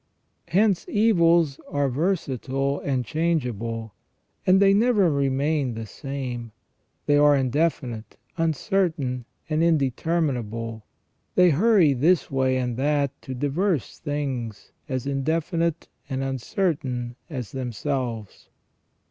Hence evils are versatile and changeable, and they never remain the same; they are indefinite, uncertain, and indeterminable; they hurry this way and that to divers things as indefinite and uncertain as themselves.